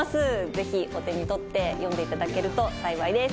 ぜひ、お手に取って読んでいただけると幸いです。